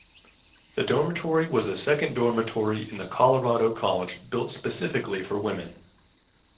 The dormitory was the second dormitory in the Colorado College built specifically for women.